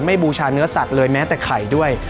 บูชาเนื้อสัตว์เลยแม้แต่ไข่ด้วย